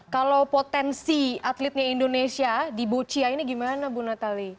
kalau potensi atletnya indonesia di boccia ini gimana bu natali